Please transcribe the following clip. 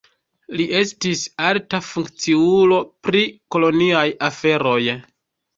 Li estis alta funkciulo pri koloniaj aferoj.